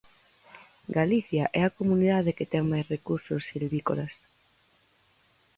Galicia é a comunidade que ten máis recursos silvícolas.